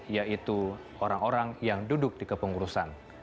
yaitu orang orang yang duduk di kepengurusan